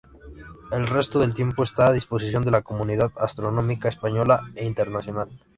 El resto del tiempo está a disposición de la comunidad astronómica española e internacional.